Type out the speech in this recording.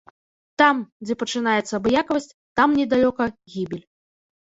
Там, дзе пачынаецца абыякавасць, там недалёка гібель.